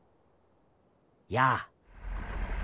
やあ！